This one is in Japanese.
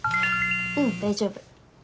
うん大丈夫。